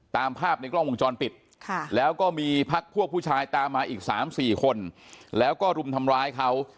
ตามภาพในกล้องวงจรปิดแล้วก็มีพักพวกผู้ชายตามมาอีก๓๔คนแล้วก็รุมทำร้ายเขา